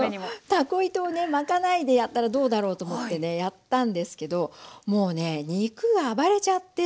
たこ糸をね巻かないでやったらどうだろうと思ってねやったんですけどもうね肉が暴れちゃって。